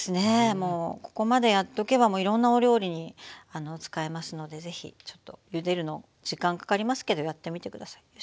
もうここまでやっとけばいろんなお料理に使えますので是非ちょっとゆでるの時間かかりますけどやってみて下さい。